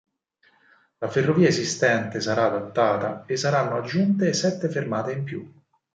La ferrovia esistente sarà adattata, e saranno aggiunte sette fermate in più.